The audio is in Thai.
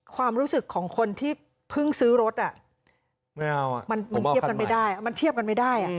ความรู้สึกของคนที่เพิ่งซื้อรถมันเทียบกันไม่ได้